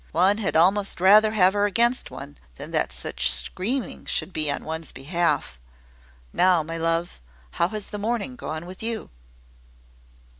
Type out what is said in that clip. One had almost rather have her against one, than that such screaming should be on one's behalf. Now, my love, how has the morning gone with you?"